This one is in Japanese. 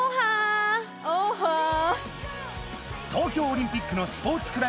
東京オリンピックのスポーツ